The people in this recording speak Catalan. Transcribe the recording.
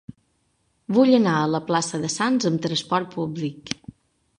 Vull anar a la plaça de Sants amb trasport públic.